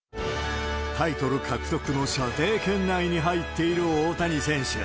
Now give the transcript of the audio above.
タイトル獲得の射程圏内に入っている大谷選手。